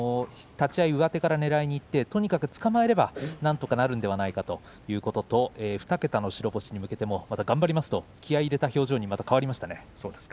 立ち合い上手からねらいにいってとにかくつかまえればなんとかなるんではないかとそういうことと２桁の白星に向けて頑張りますと気合いを入れた表情に変わりました。